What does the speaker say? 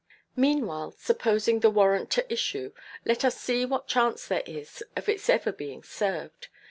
Meanwhile, supposing the warrant to issue, let us see what chance there is of its ever being served.